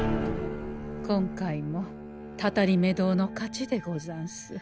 今回もたたりめ堂の勝ちでござんす。